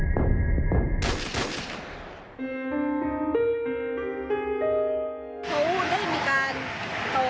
สวัสดีครับ